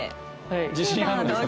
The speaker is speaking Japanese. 自信あるんですね。